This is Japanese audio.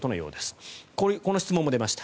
この質問も出ました。